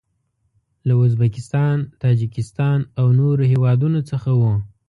له ازبکستان، تاجکستان او نورو هیوادو څخه و.